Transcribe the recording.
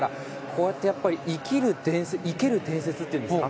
こうやって生ける伝説っていうんですか。